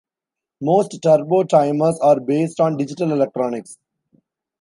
Most turbo timers are based on digital electronics.